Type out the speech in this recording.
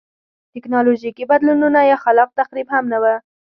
ټکنالوژیکي بدلونونه یا خلاق تخریب هم نه و.